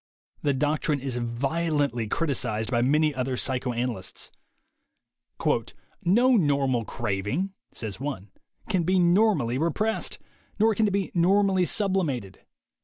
The doctrine is violently criticized by many other psychoanalysts. "No normal craving," says one, "can be normally repressed. Nor can it be normally sublimated."